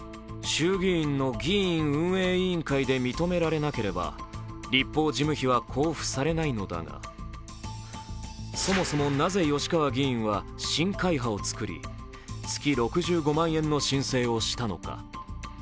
衆議院の議院運営委員会で認められなければ、立法事務費は交付されないのだが、そもそもなぜ吉川議員は新会派をつくり月６５万円の申請をしたのか。